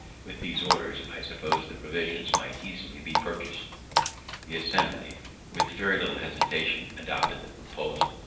With these orders I suppos'd the provisions might easily be purchas'd. The Assembly, with very little hesitation, adopted the proposal.